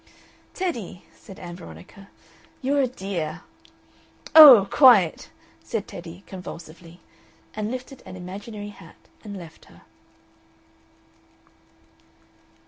"Teddy," said Ann Veronica, "you're a dear!" "Oh, quite!" said Teddy, convulsively, and lifted an imaginary hat and left her.